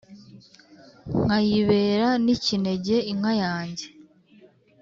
Nkayibera n'ikinege inka yanjye